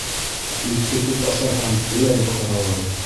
Итте күп ашаһаң, һөйәге ҡаҙалыр.